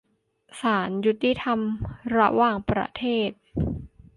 ศาลยุติธรรมระหว่างประเทศ